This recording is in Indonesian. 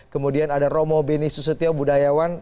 kemudian ada romo beni susetio budayawan